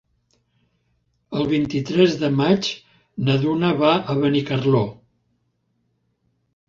El vint-i-tres de maig na Duna va a Benicarló.